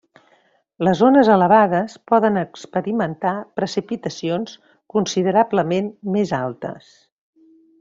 Les zones elevades poden experimentar precipitacions considerablement més altes.